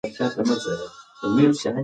په راډیو کې د غرمې د یوې بجې خبرونه روان دي.